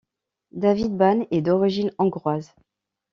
David Bàn est d'origine hongroise.